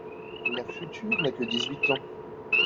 La future n’a que dix-huit ans…